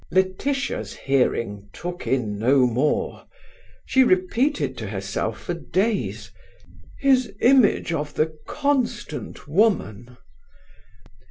Laetitia's hearing took in no more. She repeated to herself for days: "His image of the constant woman!"